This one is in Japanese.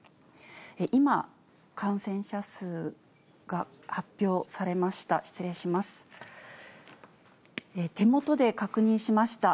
今、感染者数が発表されました。